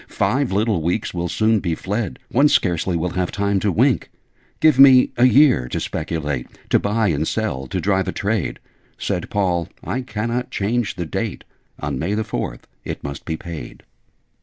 Five little weeks will soon be fled: One scarcely will have time to wink! Give me a year to speculate To buy and sell to drive a trade ' Said Paul 'I cannot change the date. On May the Fourth it must be paid.'